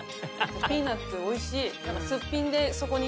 ピーナツおいしい。